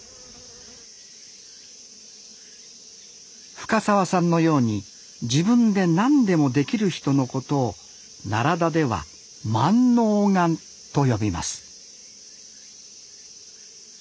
深沢さんのように自分で何でもできる人のことを奈良田では「まんのうがん」と呼びます